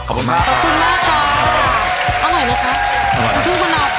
ขอบคุณมากค่ะ